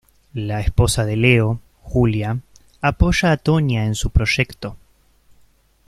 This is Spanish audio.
La esposa de Leo, Julia; apoya a Tonya en su proyecto.